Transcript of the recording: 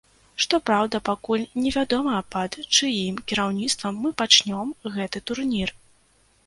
Што праўда, пакуль не вядома пад чыім кіраўніцтвам мы пачнём гэты турнір.